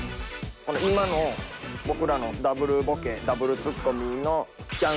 今の僕らのダブルボケダブルツッコミのいっちゃん